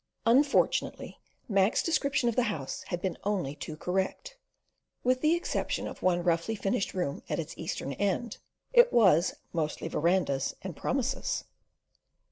Unfortunately, Mac's description of the House had been only too correct. With the exception of the one roughly finished room at its eastern end, it was "mostly verandahs and promises."